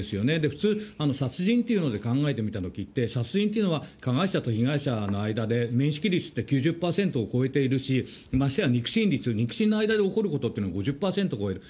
普通、殺人っていうので考えてみたときって、殺人っていうのは、加害者と被害者の間で、面識率って９０％を超えているし、ましてや肉親率、肉親の間で起こることっていうのは５０％を超える。